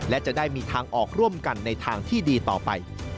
และจะได้มีทางออกร่วมกันในทางที่ดีต่อไป